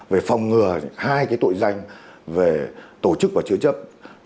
về phòng ngừa hai cái tội danh về tổ chức và chứa chấp